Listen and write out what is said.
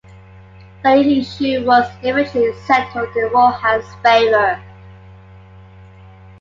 The issue was eventually settled in Rohan's favor.